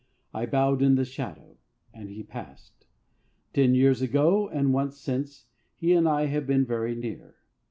I bowed in the shadow. And he passed. Ten years ago, and once since, he and I have been very near.